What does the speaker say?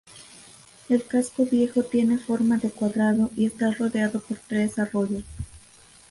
El casco viejo tiene forma de cuadrado y está rodeado por tres arroyos.